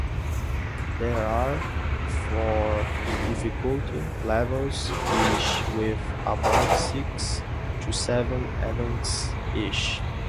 There are four difficulty levels, each with about six to seven events each.